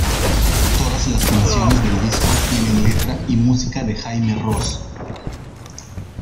Todas las canciones del disco tienen letra y música de Jaime Roos.